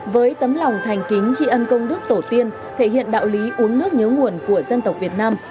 với tấm lòng thành kính tri ân công đức tổ tiên thể hiện đạo lý uống nước nhớ nguồn của dân tộc việt nam